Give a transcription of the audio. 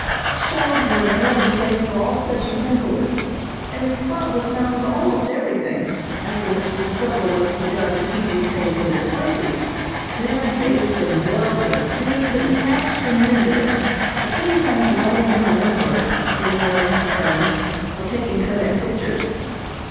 Shelves were nailed in place for all such utensils, and a spot was found for almost everything, after which the struggle was begun to keep these things in their places. Then I baked and boiled and stewed and patched and mended, between times writing in my note book, sending letters to friends or taking kodak pictures.